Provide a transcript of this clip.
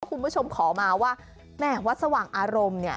คุณผู้ชมขอมาว่าแหม่วัดสว่างอารมณ์เนี่ย